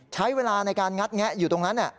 ขยับเมื่อกล้องวงจรปิดอยู่ตรงนั้นน่ะ